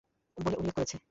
বলে উল্লেখ করেছে।